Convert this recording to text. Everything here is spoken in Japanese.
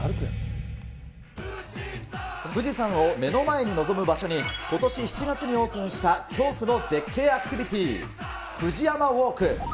富士山を目の前に望む場所に、ことし７月にオープンした恐怖の絶景アクティビティー、フジヤマウォーク。